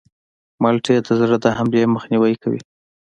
مالټې د زړه د حملې مخنیوی کوي.